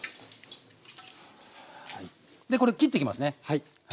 でこれ切ってきますね。